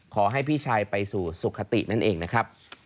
ขอให้พี่ชายไปสู่สุขตินั่นเองนะครับ